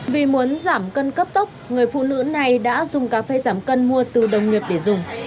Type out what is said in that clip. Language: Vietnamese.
vì muốn giảm cân cấp tốc người phụ nữ này đã dùng cà phê giảm cân mua từ đồng nghiệp để dùng